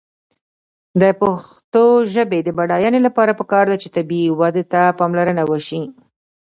د پښتو ژبې د بډاینې لپاره پکار ده چې طبیعي وده ته پاملرنه وشي.